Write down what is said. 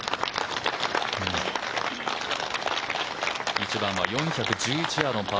１番は４１１ヤード、パー